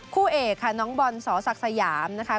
คู่เอกค่ะน้องบอลสอศักดิ์สยามนะคะ